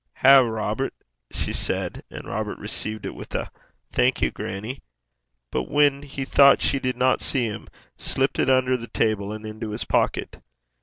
'Ha'e, Robert,' she said; and Robert received it with a 'Thank you, grannie'; but when he thought she did not see him, slipped it under the table and into his pocket.